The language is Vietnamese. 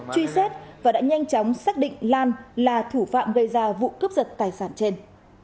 truy xét và đã nhanh chóng xác định lan là thủ phạm gây ra vụ cướp giật tài sản trên